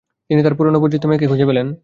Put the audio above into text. তিনি তার পুরনো, পরিচিত মেয়েকে খুঁজে পেলেন।